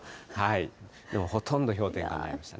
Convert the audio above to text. でもほとんど氷点下になりましたね。